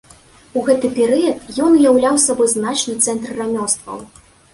У гэты перыяд ён уяўляў сабою значны цэнтр рамёстваў.